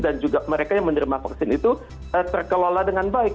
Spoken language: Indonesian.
dan juga mereka yang menerima vaksin itu terkelola dengan baik